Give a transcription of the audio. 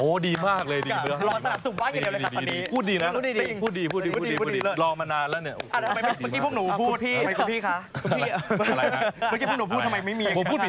โอ้ดีมากเลยดีมากดีมากพูดดีนะพูดดีพูดดีพูดดีพูดดี